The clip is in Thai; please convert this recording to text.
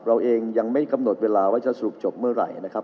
เราเองยังไม่กำหนดเวลาว่าจะสรุปจบเมื่อไหร่นะครับ